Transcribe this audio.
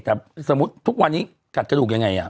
แต่สมมุติทุกวันนี้กัดกระดูกยังไง